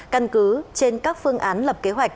căn cứ trên các phương án lập kế hoạch